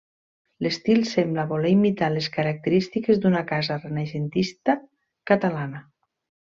L'estil sembla voler imitar les característiques d'una casa renaixentista catalana.